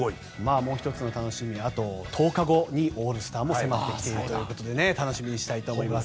もう１つの楽しみは１０日後にオールスターも迫ってきているということで楽しみにしたいと思います。